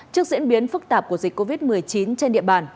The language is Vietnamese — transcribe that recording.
trước diễn biến phức tạp của dịch covid một mươi chín trên địa bàn